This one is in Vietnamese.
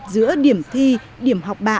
giữa điểm thi điểm học bạ